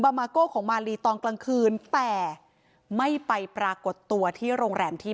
มาโก้ของมาลีตอนกลางคืนแต่ไม่ไปปรากฏตัวที่โรงแรมที่